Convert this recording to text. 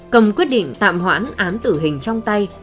cầm quyết định tạm hoãn án tử hình trong tay